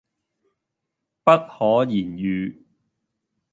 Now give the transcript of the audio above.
不可言喻